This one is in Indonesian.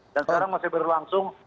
dan sekarang masih berlangsung